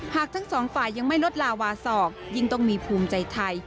หากทั้งสองฝ่ายยังไม่ลดลาวาสอกยิ่งต้องมีภูมิใจไทย